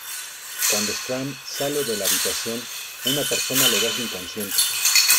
Cuando Strahm sale de la habitación, una persona lo deja inconsciente.